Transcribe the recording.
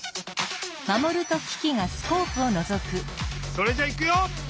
それじゃいくよ！